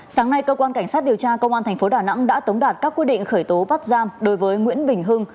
sáng nay cơ quan cảnh sát điều tra công an tp đà nẵng đã tống đạt các quyết định khởi tố bắt giam đối với nguyễn bình hưng